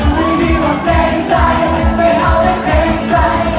ไม่มีว่าเกรงใจไม่ทำให้เกรงใจ